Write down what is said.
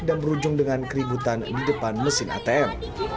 dan berujung dengan keributan di depan mesin atm